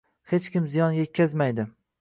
Hech kim ziyon yetkazmaydi